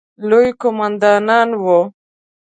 لوی قوماندان وو.